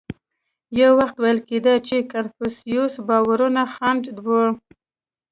یو وخت ویل کېدل چې کنفوسیوس باورونه خنډ و.